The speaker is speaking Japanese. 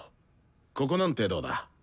ここなんてどうだ？